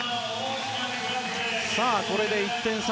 これで１点差。